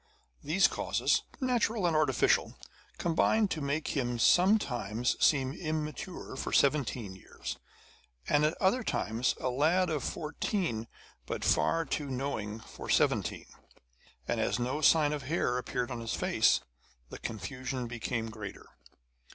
These causes, natural and artificial, combined to make him sometimes seem immature for seventeen years, and at other times a lad of fourteen but far too knowing for seventeen. And as no sign of hair appeared on his face, the confusion became greater.